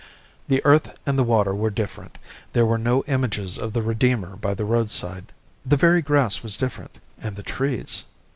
The earth and the water were different; there were no images of the Redeemer by the roadside. The very grass was different, and the trees.